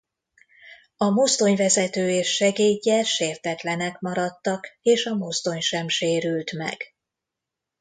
A mozdonyvezető és segédje sértetlenek maradtak és a mozdony sem sérült meg.